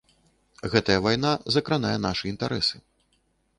Гэтая вайна закранае нашы інтарэсы.